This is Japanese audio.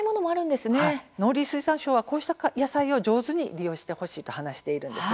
農林水産省はこうした野菜を上手に利用してほしいと話しているんです。